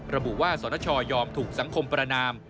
ระบุว่าสนชยอมถูกสังคมประนาม